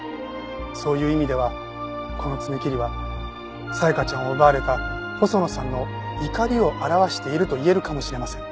そういう意味ではこの爪切りは紗弥香ちゃんを奪われた細野さんの怒りを表していると言えるかもしれません。